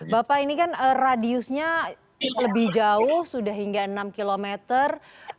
bapak ini kan radiusnya lebih jauh sudah hingga enam kilometer